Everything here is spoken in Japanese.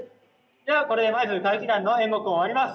ではこれでまいづる鶴激団の演目を終わります。